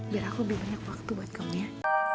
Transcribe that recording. biar aku lebih banyak waktu buat kamu ya